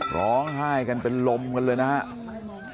ร้องไห้กันเป็นลมกันเลยนะครับ